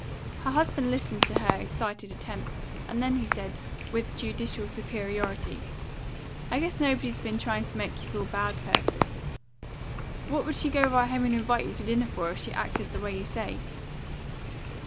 Her husband listened to her excited attempt, and then he said, with judicial superiority, "I guess nobody's been trying to make you feel bad, Persis. What would she go right home and invite you to dinner for, if she'd acted the way you say?"